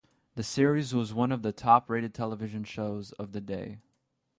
The series was one of the top-rated television shows of the day.